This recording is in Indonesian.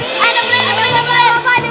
eh udah beli udah beli